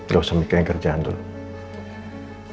gak usah mikirin kerjaan dulu